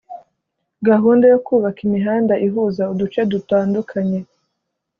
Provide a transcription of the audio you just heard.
Gahunda yo kubaka imihanda ihuza uduce dutandukanye